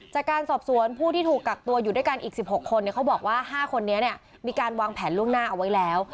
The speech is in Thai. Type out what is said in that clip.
จากการสอบสวนผู้ที่ถูกกักตัวอยู่ด้วยกันอีก๑๖คนเขาบอกว่า๕คนนี้มีการวางแผนล่วงหน้าเอาไว้แล้ว